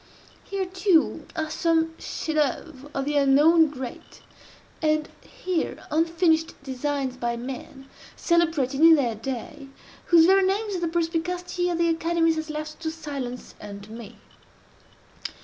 Here, too, are some chefs d'oeuvre of the unknown great; and here, unfinished designs by men, celebrated in their day, whose very names the perspicacity of the academies has left to silence and to me.